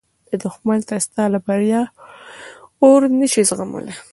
دښمن ستا د بریا اور نه شي زغملی